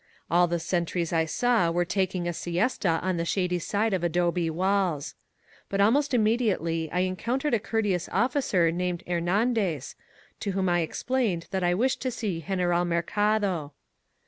All the sen tries I saw were taking a siesta on the shady side of adobe walls. But almost immediately I encountered a courteous officer named Hernandez, to whom I ex plained that I wished to see Greneral Mercado.